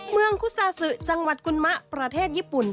เมืองคุซาซึจังหวัดกุลมะประเทศญี่ปุ่น